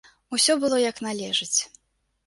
Усё было як належыць.